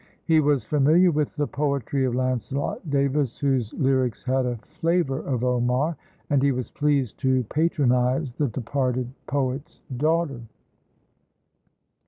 He was familiar with the poetry of Lancelot Davis, whose lyrics had a flavour of Omar; and he was pleased to patronise the departed poet's daughter.